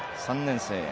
３年生。